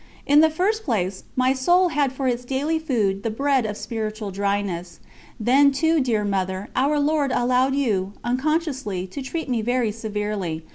In the first place, my soul had for its daily food the bread of spiritual dryness. Then, too, dear Mother, Our Lord allowed you, unconsciously, to treat me very severely.